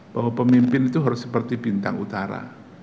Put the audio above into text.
bahwa pemimpin itu harus seperti bintang utara